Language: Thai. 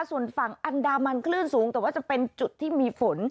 ส่วนฝั่งอันดามันคลื่นสูงแต่ว่าจะเป็นจุดที่มีฝน